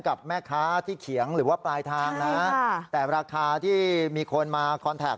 กับแม่ค้าที่เขียงหรือว่าปลายทางนะแต่ราคาที่มีคนมาคอนแท็ก